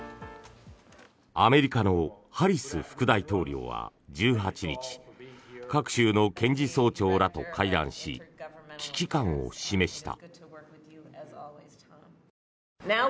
アメリカのハリス副大統領は１８日各州の検事総長らと会談し危機感を示した。